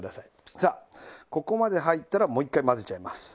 さあここまで入ったらもう一回混ぜちゃいます。